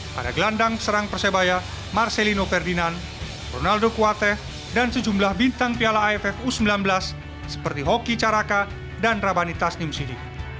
pada gelandang serang persebaya marcelino ferdinand ronaldo kuate dan sejumlah bintang piala aff u sembilan belas seperti hoki caraka dan rabani tasnim sidik